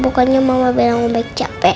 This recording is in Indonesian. bukannya mama bilang baik capek